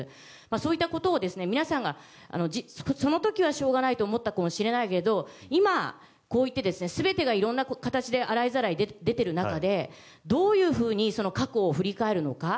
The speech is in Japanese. そういったことを皆さんがその時はしょうがないと思ったかもしれないけど今、こうやって全てがいろんな形で洗いざらい出ている中でどういうふうに過去を振り返るのか。